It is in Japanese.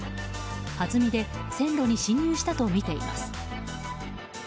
はずみで線路に進入したとみています。